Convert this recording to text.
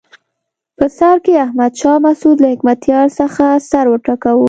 په سر کې احمد شاه مسعود له حکمتیار څخه سر وټکاوه.